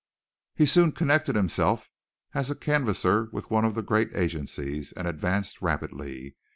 He soon connected himself as a canvasser with one of the great agencies and advanced rapidly.